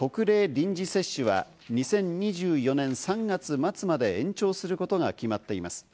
臨時接種は２０２４年３月末まで延長することが決まっています。